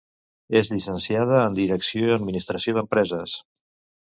És llicenciada en Direcció i administració d'empreses.